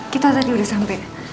kita tadi udah sampai